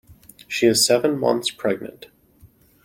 She is seven months pregnant.